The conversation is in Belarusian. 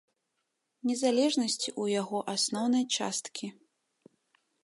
Незалежнасці ў яго асноўнай часткі.